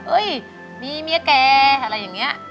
เฮ้ยมีมียแกอะไรอย่างนี้